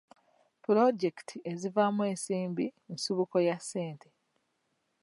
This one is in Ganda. Pulojekiti ezivaamu ensimbi nsibuko ya ssente.